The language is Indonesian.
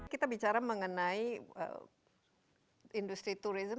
kita bicara mengenai industri turisme